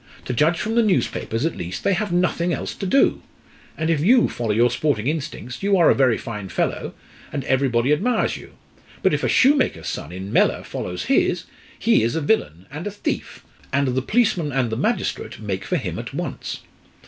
To judge from the newspapers, at least, they have nothing else to do. And if you follow your sporting instincts, you are a very fine fellow, and everybody admires you. But if a shoemaker's son in Mellor follows his, he is a villain and a thief, and the policeman and the magistrate make for him at once."